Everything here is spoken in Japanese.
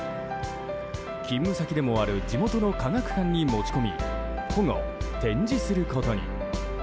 勤務先でもある地元の科学館に持ち込み保護・展示することに。